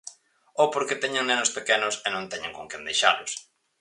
Ou porque teñen nenos pequenos e non teñen con quen deixalos.